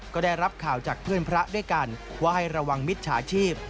ก็ได้รับข่าวจากเพื่อนพระด้วยกันว่าให้ระวังมิจฉาชีพ